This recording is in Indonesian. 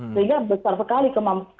sehingga besar sekali kemampuan